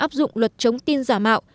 áp dụng luật chống tin giả mạo